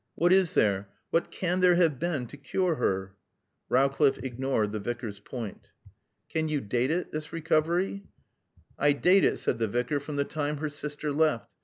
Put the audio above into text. What is there what can there have been to cure her?" Rowcliffe ignored the Vicar's point. "Can you date it this recovery?" "I date it," said the Vicar, "from the time her sister left.